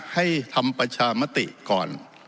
ให้ทำประชามติก่อน